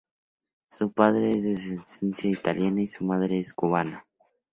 Su padre es de ascendencia italiana y su madre es cubana.